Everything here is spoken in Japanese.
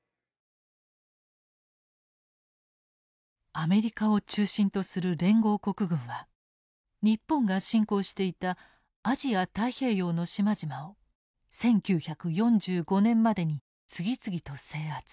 アメリカを中心とする連合国軍は日本が侵攻していたアジア太平洋の島々を１９４５年までに次々と制圧。